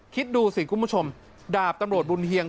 คิดดูสิคุณผู้ชมดาบตำรวจบุญเฮียง